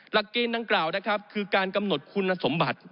หลักเกณฑ์ดังกล่าวนะครับคือการกำหนดคุณสมบัติ